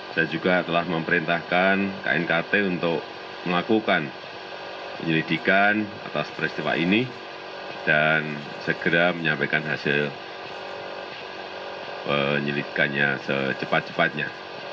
saya juga telah memerintahkan knkt untuk melakukan penyelidikan atas peristiwa ini dan segera menyampaikan hasil penyelidikannya secepat cepatnya